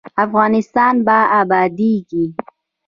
افغانستان به ابادیږي؟